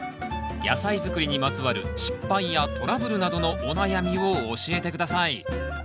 野菜作りにまつわる失敗やトラブルなどのお悩みを教えて下さい。